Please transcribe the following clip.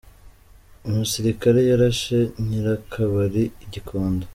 – umusilikare yarashe nyir’akabali i Gikondo